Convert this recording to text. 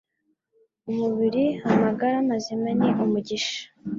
umubiri amagara mazima ni umugisha.